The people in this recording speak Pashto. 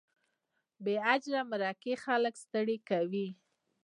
بې اجره مرکې خلک ستړي کوي.